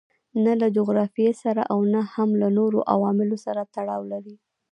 نه له جغرافیې سره او نه هم له نورو عواملو سره تړاو لري.